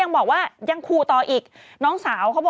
เมื่อ